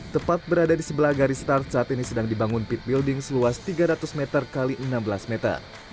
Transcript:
tepat berada di sebelah garis start saat ini sedang dibangun pit building seluas tiga ratus meter x enam belas meter